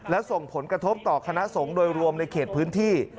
และส่งผลกระทบต่อคณะสงฆ์โดยรวมในเขตพื้นที่